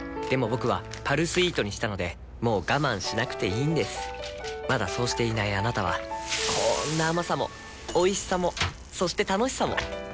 僕は「パルスイート」にしたのでもう我慢しなくていいんですまだそうしていないあなたはこんな甘さもおいしさもそして楽しさもあちっ。